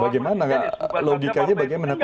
bagaimana logikanya bagaimana ke dua ribu empat belas